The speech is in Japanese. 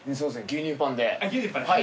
牛乳パンで。